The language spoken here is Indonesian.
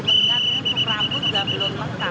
mungkin truk rambu juga belum lengkap